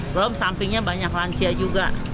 belum sampingnya banyak lansia juga